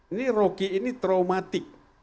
ini rocky ini traumatik